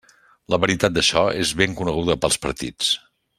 La veritat d'això és ben coneguda pels partits.